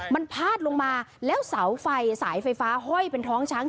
มันพาดลงมาแล้วเสาไฟสายไฟฟ้าห้อยเป็นท้องช้าง